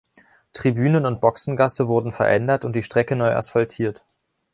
Tribünen und Boxengasse wurden verändert und die Strecke neu asphaltiert.